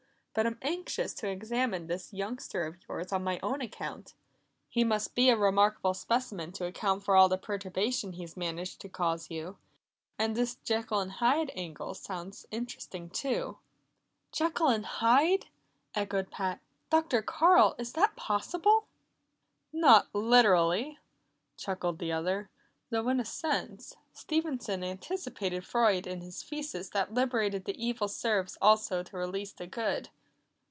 But I'm anxious to examine this youngster of yours on my own account; he must be a remarkable specimen to account for all the perturbation he's managed to cause you. And this Jekyll and Hyde angle sounds interesting, too." "Jekyll and Hyde!" echoed Pat. "Dr. Carl, is that possible?" "Not literally," chuckled the other, "though in a sense, Stevenson anticipated Freud in his thesis that liberating the evil serves also to release the good."